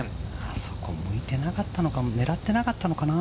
あそこ向いてなかったのかも狙ってなかったのかな。